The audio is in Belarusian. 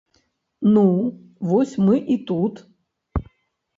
Ну, вось мы і тут.